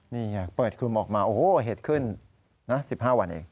นี่ไงเปิดคุมออกมาโอ้โหเหตุขึ้นนะ๑๕วันเอง